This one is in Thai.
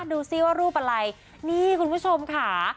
ดูสิว่ารูปอะไรนี่คุณผู้ชมค่ะ